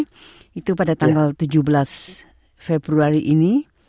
jangan lupa di channel tujuh belas februari ini